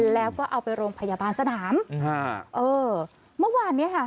แล้วก็เอาไปโรงพยาบาลสนามเมื่อว่านี่ฮ่า